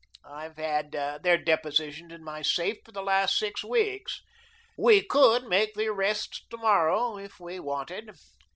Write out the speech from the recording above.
I've had their depositions in my safe for the last six weeks. We could make the arrests to morrow, if we wanted.